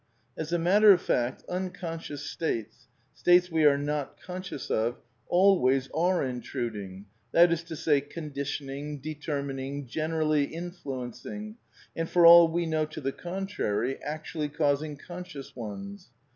As a matter of fact, un conscious states, states we are not conscious of, always are intruding, that is to say, conditioning, determining, gen erally influencing, and for all we know to the contrary, actually causing conscious ones.